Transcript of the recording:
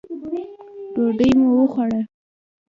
ډوډۍ مو وخوړه.